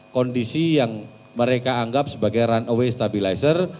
kondisi yang mereka anggap sebagai runaway stabilizer